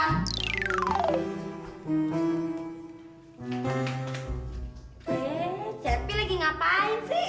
eh cepi lagi ngapain sih